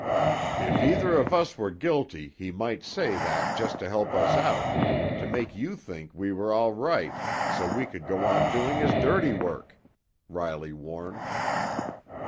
"If either of us were guilty he might say that just to help us out—to make you think we were all right so we could go on doing his dirty work," Riley warned.